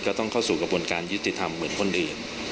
ก็ต้องเข้าสู่กระบวนการยุติธรรมเหมือนคนอื่น